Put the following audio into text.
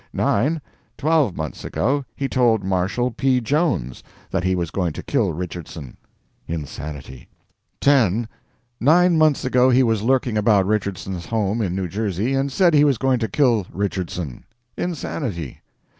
"9. Twelve months ago he told Marshall P. Jones that he was going to kill Richardson. Insanity. "10. Nine months ago he was lurking about Richardson's home in New Jersey, and said he was going to kill Richardson. Insanity.